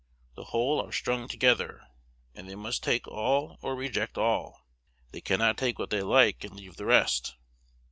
The whole are strung together, and they must take all or reject all. They cannot take what they like, and leave the rest.